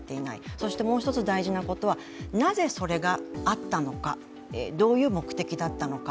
そしてもう一つ大事なことはなぜそれがあったのかどういう目的だったのか。